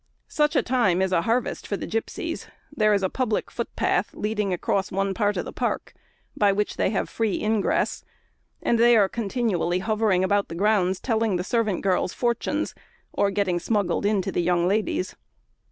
Such a time is a harvest for the gipsies: there is a public footpath leading across one part of the park, by which they have free ingress, and they are continually hovering about the grounds, telling the servant girls' fortunes, or getting smuggled in to the young ladies.